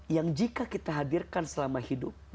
yang jika kita hadirkan selama hidup